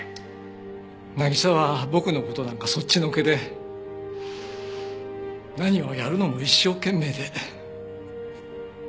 渚は僕の事なんかそっちのけで何をやるのも一生懸命で。